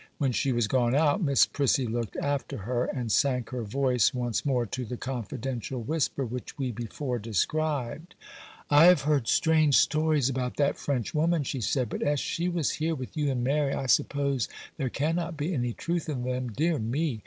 When she was gone out, Miss Prissy looked after her, and sank her voice once more to the confidential whisper which we before described. 'I have heard strange stories about that French woman,' she said; 'but as she was here with you and Mary, I suppose there cannot be any truth in them. Dear me!